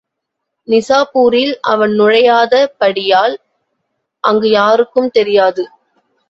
நிசாப்பூரில் அவன் நுழையாத படியால், அங்கு யாருக்கும் தெரியாது.